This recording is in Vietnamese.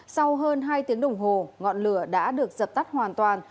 sau hơn hai tiếng đồng hồ ngọn lửa đã được dập tắt hoàn toàn